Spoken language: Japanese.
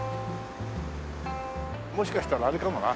もしかしたらあれかもな。